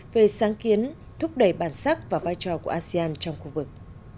về sáng kiến thúc đẩy bản sắc và vai trò của asean trong khu vực